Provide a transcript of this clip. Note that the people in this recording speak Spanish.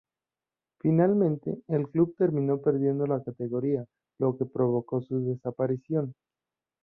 Finalmente, el club terminó perdiendo la categoría, lo que provocó su desaparición.